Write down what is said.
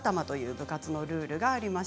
部活のルールがあります。